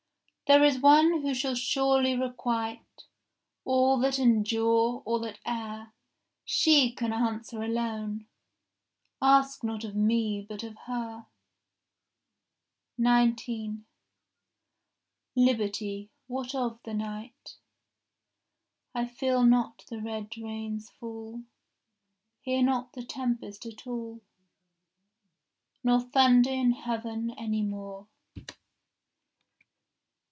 There is one who shall surely requite All that endure or that err: She can answer alone: Ask not of me, but of her. 19 Liberty, what of the night?— I feel not the red rains fall, Hear not the tempest at all, Nor thunder in heaven any more.